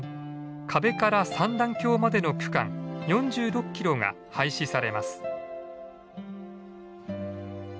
可部から三段峡までの区間４６キロが廃止されます。